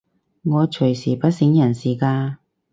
我隨時不省人事㗎